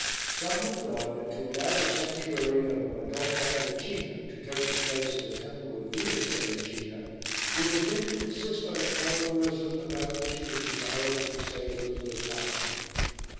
Some have thought that to allow the Sanctuary of a Madonna Ericina to take the place of the Temple of Venus Erycina would have been to insist on a parallelism about which it was desirable to say as little as possible.